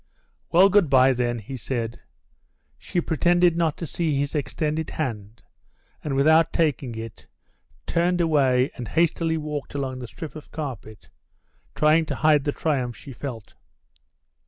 "Well, good bye, then," he said. She pretended not to see his extended hand, and, without taking it, turned away and hastily walked along the strip of carpet, trying to hide the triumph she felt.